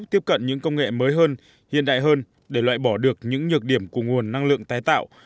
tiếp cận những công nghệ mới hơn hiện đại hơn để loại bỏ được những nhược điểm của nguồn năng lượng tái tạo